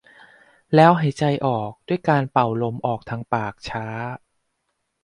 แล้วหายใจออกด้วยการเป่าลมออกทางปากช้า